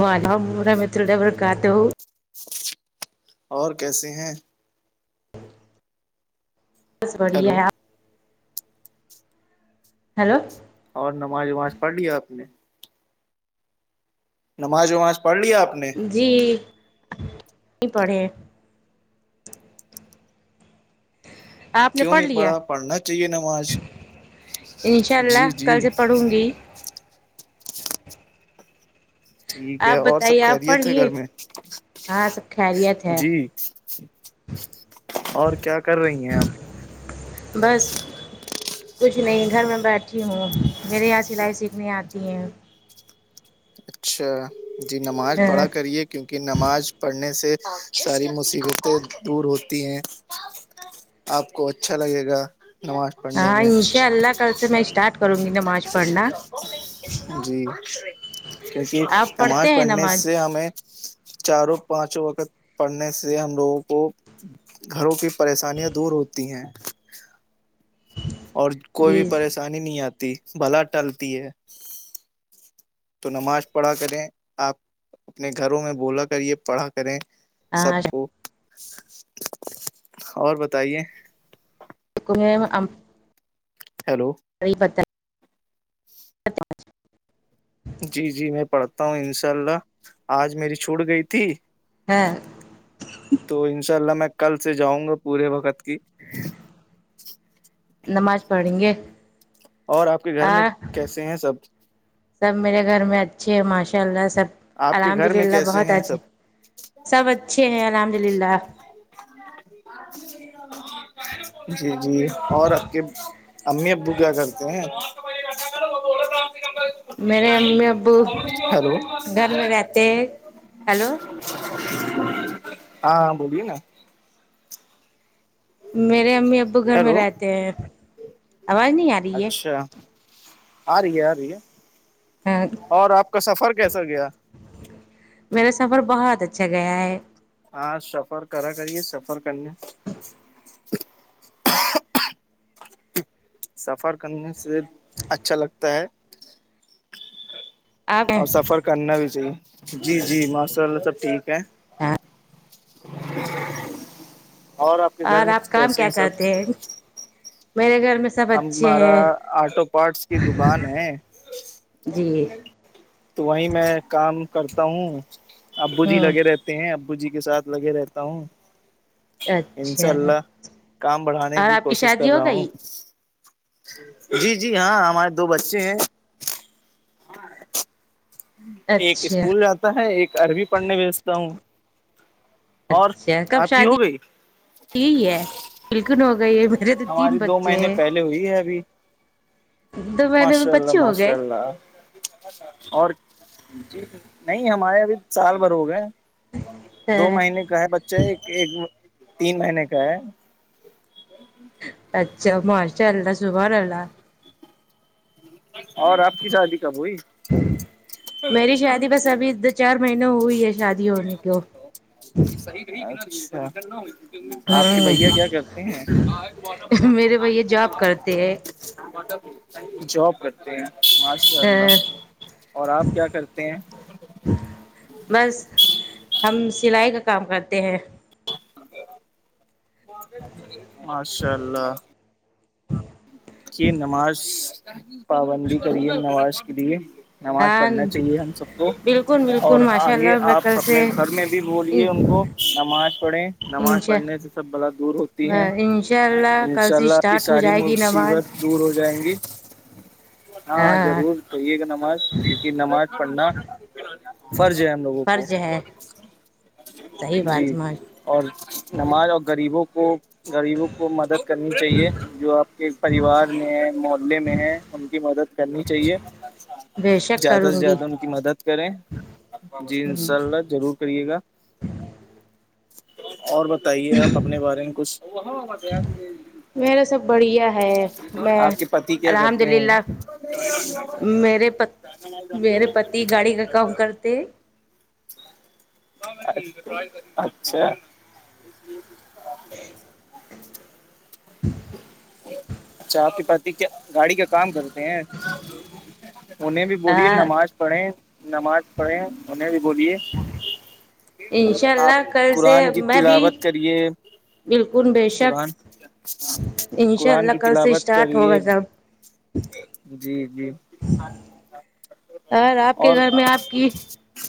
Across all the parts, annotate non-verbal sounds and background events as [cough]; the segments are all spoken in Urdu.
وہاں با متر ڈرائیر کہتے ہو اور کیسے ہیں بس بڑھیا ہیلو ہے آپ ہیلو اور نماز وماز پڑھ لیا آپ نے نماز وماز پڑھ لیا آپ نے جی نہیں پڑھے آپ نے کیوں پڑھ نہیں لیا پڑھا پڑھنا چاہیے نماز انشاء اللہ جی جی کل سے پڑھوں گی ٹھیک ہے آپ اور سب بتائیے آپ پڑھ خیریت ہے لیے گھر میں ہاں سب خیریت ہے جی اور کیا کر رہی ہیں آپ بس کچھ نہیں گھر میں بیٹھی ہوں میرے یہاں سلائی سیکھنے آتی ہیں اچھا جی نماز پڑھا کریے کیونکہ نماز پڑھنے سے ساری مصیبتیں دور ہوتی ہیں آپ کو اچھا لگے گا نماز پڑھنے ہاں میں انشاء اللہ کل سے میں اسٹارٹ کروں گی نماز پڑھنا جی کیونکہ آپ نماز پڑھتے ہیں پڑھنے سے ہمیں چاروں پانچوں وقت پڑھنے سے ہم لوگوں کو گھروں کی پریشانیاں دور ہوتی ہیں اور جی کوئی پریشانی نہیں آتی بلا ٹلتی ہے تو نماز پڑھا کریں آپ اپنے گھروں میں بولا کریے پڑھا کریں ہاں سب کو اور بتائیے [unintelligible] ہیلو نہیں پتا [unintelligible] جی جی میں پڑھتا ہوں انشاء اللہ آج میری چھوٹ گئی تھی ہاں تو انشاء اللہ میں کل سے جاؤں گا پورے وقت کی نماز پڑھیں گے اور آپ کے گھر آ میں کیسے ہیں سب سب میرے گھر میں اچھے ہیں ماشاء اللہ سب آپ کے گھر میں الحمدللہ کیسے بہت ہیں اچھے سب سب اچھے ہیں الحمد للہ جی جی اور اپ کے امی ابو کیا کرتے ہیں میرے امی ابو ہیلو گھر میں رہتے ہیں ہیلو ہاں بولیے نا میرے امی ابو گھر میں ہیلو رہتے ہیں آواز نہیں اتی اچھا آ رہی ہے آ رہی ہے ہاں اور آپ کا سفر کیسا گیا میرا سفر بہت اچھا گیا ہے ہاں سفر کرا کریے سفر کرنے سفر کرنے سے اچھا لگتا ہے [inaudible] اور سفر کرنا بھی چاہیے جی جی ماشاء اللہ سب ٹھیک ہے ہاں آپ کے گھر اور میں آپ کام کیسے کیا ہیں سب کرتے ہیں میرے گھر میں سب اچھے ہمارا ہیں آٹو پارٹس کی دکان ہے جی تو وہیں میں کام کرتا ہوں ابو جی ہوں لگے رہتے ہیں ابو جی کے سھ لگے رہتا ہوں انشاء اچھا اللہ کام بڑھانے اور کی آپ کوشش شادی کر ہو رہا ہوں گئی جی جی ہاں ہمارے دو بچے ہیں ایک اچھا اسکول جاتا ہے ایک عربی پڑھنے بیچتا ہوں اور اچھا کب آپ کی شادی ہو گئی یہی ہے بالکل ہو گئی ہے میرے تو تین ہماری دو بچے مہینے ہیں پہلے ہوئی ہے ابھی دو مہینے میں ماشاء اللہ بچے ہو ماشاء گئے اللہ اور نہیں ہمارے ابھی سال بھر ہو گئے دو مہینے کا ہے بچے ایک ایک تین مہینے کا ہے اچھا ماشاء اللہ صبح اللہ اور آپ کی شادی کب ہوئی میری شادی بس ابھی دو چار مہینوں ہوئی ہے س شادی ہونے کو ہو آپ کے بھیا ہ کیا کرتے ہیں میرے بھیا جاب کرتے ہیں [inaudible] جاب کرتے ہیں ماشاء اللہ ہ اور آپ کیا کرتے ہیں بس ہم سلائی کا کام کرتے ہیں ماشاء اللہ یہ نماز پابندی کری ہے نماز کے لیے نماز ہاں پڑھنا چاہیے ہم سب کو بالکل اور بالکل ماشاء آگے اللہ میں آپ کل سے اپنے گھر میں بھی بولیے ان کو نماز پڑھیں نماز انشاء پڑھنے سے سب بلا دور ہوتی ہے انشاء اللہ کل انشاء سے اللہ کی اسٹارٹ ہو ساری جائے گی نماز مصیبت دور ہو جائیں گی ہاں ضرور پیے گا نماز کیونہ نماز پڑھنا فرض ہے ہم لوگوں کو صحی بات جی میں اور نماز اور غریبوں کو غریبوں کو مدد کرنی چاہیے جو آپ کے پریوار میں ہے محلے میں ہے ان کی مدد کرنی چاہیے بے شک زیادہ سے کروں گی زیادہ ان کی مدد کریں جی انشاء اللہ ضرور کرے گا اور بت بتائیے آپ اپنے بارے میں کچھ میرا سب بڑھیا ہے میں الحمد للہ چ میرے م ج [unintelligible] کم کرتے اچھا اچھا آپ کے پ کیا گاڑی کا کام کرتے ہیں انہیں بھی بولیے ہاں نماز پڑھیں نماز پڑھیں انہیں بھی بولیے انشاء آپ اللہ کل سے قرآن کی میں بھی تلاوت کریے بالکل بے شک قرآن انشاء قرآن کی اللہ کل سے تلاوت اسٹارٹ کرے ہوگا سب جی جی اورر آپ کے اور گھر میں آپ کی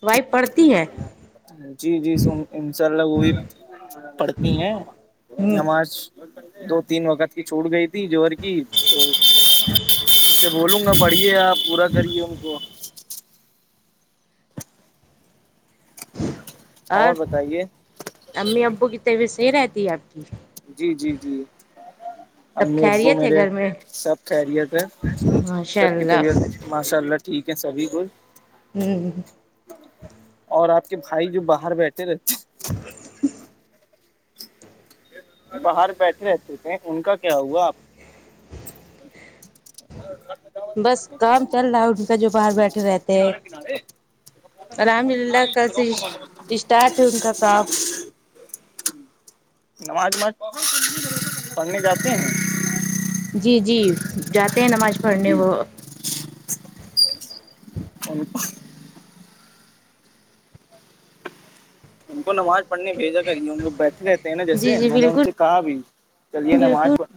وائف پڑتی ہیں جی جی ان شاء اللہ وہ بھی پڑھتی ہیں ہوں، نماز تو تین وقت کی چھوٹ گئی تھی جوہر کی تو ان سے بولوں گا پڑھیے آپ پورا کرے ان کو اور امی ابو کی طبیعت صحیح رہتی ہے آپ کی جی جی جی سب امی ابو خیریت میرے سب خیریت ہے ہاںشاء سب کی اللہ طبیعت ماشاء اللہ ٹھیک ہے سبھی کوچھ ہوں اور آپ کے بھائی جو باہر بیٹھے رہے [unintelligible] باہر بیٹھے رہتے تھے ان کا کیا ہوا آپ [unintelligible] بس کام چل رہا ہے ان کا جو باہر بیٹھے رہتے ہیں ے [inaudible] رحمد للہ کا سے اسٹارٹ ہے ان کا کاپ نماز نماز پڑھنے جاتے ہیں جی جی جاتے ہیں نماز پڑھنے جی وہ ا [inaudible] ان کو نہ م [unintelligible] پڑھنے بھیجا کری ان بیٹھے رہتے ہیں نا جی جیسے جی میں نے ان بالکل سے کہا بھی چلیے نماز بالکل پڑھ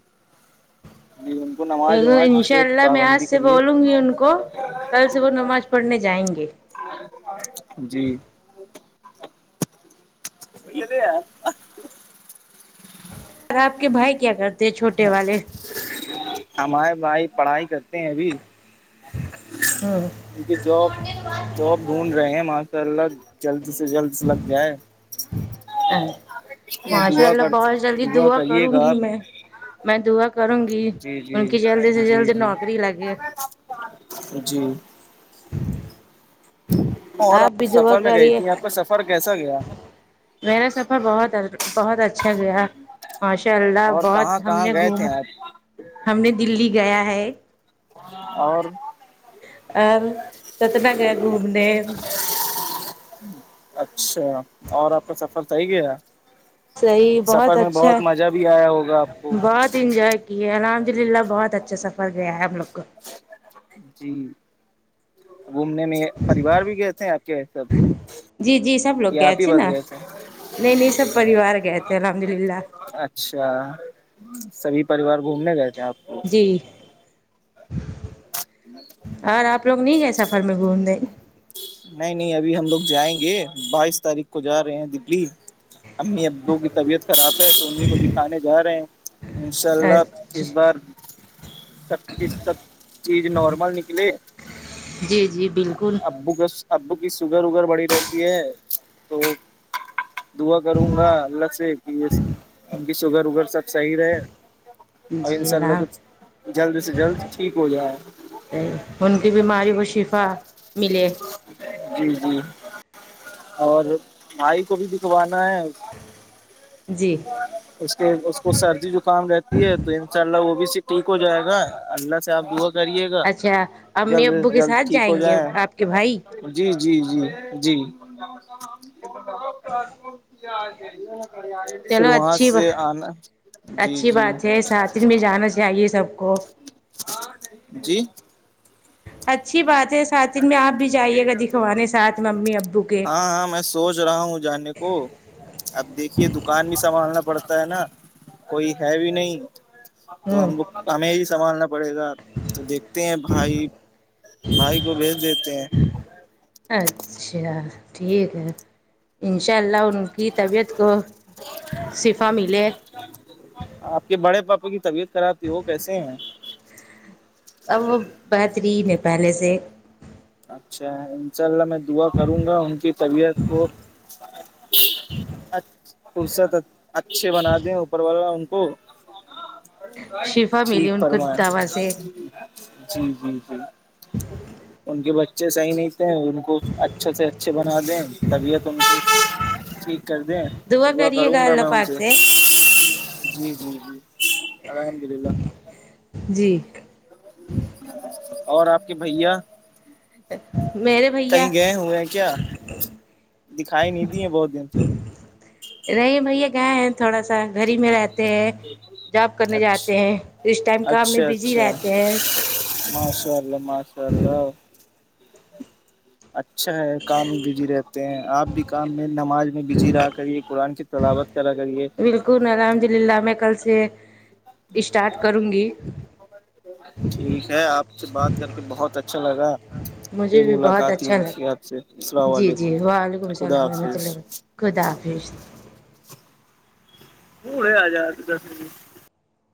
وماز ان شاء سے اللہ میں آج پابندی سے کریے بولوں گی ان کو کل سے وہ نماز پڑھنے جائیں گے جی م دیا [unintelligible] اور آپ کے بھائی کیا کرتے ہیں چھوٹے والے ہمارے بھائی پڑھائی کرتے ہیں ابھی ہوں م جاب جاب ڈھونڈ رہے ہیں ماشاء اللہ جلد سے جلد لگ جائے ا ماشاء دعا اللہ کر بہت جلدی دعا کریے کروں گا گی آپ میں میں دعا کروں گی جی ان جی کی جلد سے جی جلد جی نوکری لگے جی اور آپ بھی دعا سفر میں گئی کریے تھی آپ کو سفر کیسا گیا میرا سفر بہت بہت اچھا گیا ماشاء اللہ اور کہاں بہت ہم کہاں نے گئے گھوم تھے آپ ہم نے دلی گیا ہے اور اور ستنا گیا گھومنے اچھا اور آپ کا سفر ص ہی کیا صحیح بہت اچھا مزہ بھی آیا ہوگا ہے آپ کو بہت انجوائے جی الحمد للہ بہت اچھا سفر گیا ہے ہم لوگ کو جی گھومنے میں پریوار بھی گئے تھے آپ کے سب جی جی سب لوگ یا گئے آپ ہی تھے بس نا نہیں نہیں سب پریوار گئے تھے الحمد للہ اچھا سبھی پریوار گھومنے گئے تھے آپ کو جی اور آپ لوگ نہیں گئے سفر میں گھوم دیں نہیں نہیں ابھی ہم لوگ جائیں گے بائیس تاریخ کو جا رہے ہیں دپلی امی ابو کی طبیعت خراب ہے تو اہیں کو دکھانے جا رہے ہیں ان شاء اللہ ک بار چتیس چتیس نارمل نکلے جی جی بالکل ابو کا ابو کی سوگر وگر بڑی رہتی ہے تو دعا کروں گا اللہ سے کہ یہ ان کی شوگر وگر سب صحیح رہے اور جی انشاء الحم اللہ تو جلد سے جلد ٹھیک ہو جائے ان کی بیماری کو شفا ملے جی جی اور مائی کو بھی دکھوانا ہے جی اس کے اس کو سردی زکام رہتی ہے تو انشاء اللہ وہ بھی سے ٹھیک ہو جائے گا اللہ سے آپ دا کریے گا اچھا امی جلد ابو سے کے جلد ساتھ ٹھیک ہو جائیں گے جائے آپ کے بھائی جی جی جی جی پھر چلو وہاں اچھی سے بات آنا جی اچھی جی بات ہے ساتن میں جانا چاہیے سب کو جی اچھی بات ہے سات دن میں آپ بھی جائیے گا دکھوانے ساتھ ممی ابو کے ہاں ہاں میں سوچ رہا ہوں جانے کو اب دیکھیے دکان بھی سنبھالنا پڑتا ہے نا کوئی ہے بھی نہیں تو ہوں ہم کو ہمیں ہی سنبھالنا پڑے گا تو دیکھتے ہیں بھائی بھائی کو بھیج دیتے ہیں اچھا ٹھیک ہے ان شاء اللہ ان کی طبیعت کو صفا ملے آپ کے بڑے پاپوں کی طبیعت خراب تھی وہ کیسے ہیں اب وہ بہترین ہے پہلے سے اچھا انشاء اللہ میں دعا کروں گا ان کی طبیعت کو اچ فرصت اچھے بنا دیں اوپر والا ان کو شفا ملی ٹھیک ان کو فرمائ دوا سے جی جی جی ان کے بچے صحیح نہیں تھے ان کو اچھا سے اچھے بنا دیں طبیعت ان کی ٹھیک کر دیں دعا صبح کریے کروں گا اللہ میں ان پاک سے جی جی جی الحمد للہ جی اور آپ کے بھیا میرے بھیا کہیں گئے ہوئے ہیں کیا دکھائی نہیں دیے بہت دن سے نہیں بھیا گئے ہیں تھوڑا سا گھر ہی میں رہتا ہیں جاب کرنے جاتے اچھا ہیں اس ٹائم کام میں اچھا بزی اچھا رہتے ہیں ماشاء اللہ ماشاء اللہ اچھا ہے کام بجی رہے تے ہیں آپ بھی کام میں نماز میں بزی رہا کریے قرآن کی تلاوت کرا کرے بالکل الحمد للہ میں کل سے اسٹارٹ کروں گی ٹھیک ہے آپ سے بات کر کے بہت اچھا لگا پ مجھے بھی بہت ملاقات اچھا لگا ہییاپ سے اللام جی علیکم خدا حافظ خداف پڑے آ جاتد گس